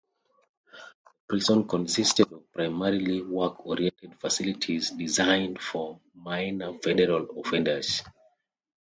The prison consisted of primarily work-oriented facilities designed for minor federal offenders.